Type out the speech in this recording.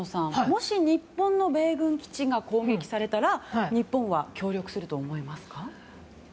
もし日本の米軍基地が攻撃されたら、日本は協力すると思いますか。